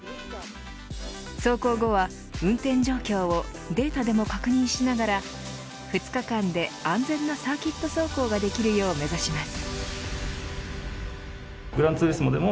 走行後は運転状況をデータでも確認しながら２日間で安全なサーキット走行ができるよう目指します。